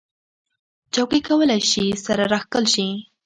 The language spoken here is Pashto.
چوکۍ کولی شي سره راښکل شي.